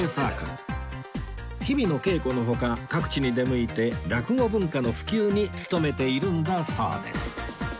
日々の稽古の他各地に出向いて落語文化の普及に務めているんだそうです